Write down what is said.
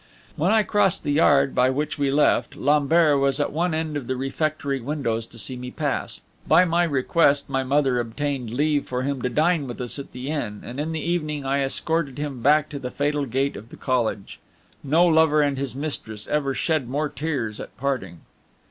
When I crossed the yard by which we left, Lambert was at one of the refectory windows to see me pass. By my request my mother obtained leave for him to dine with us at the inn, and in the evening I escorted him back to the fatal gate of the college. No lover and his mistress ever shed more tears at parting.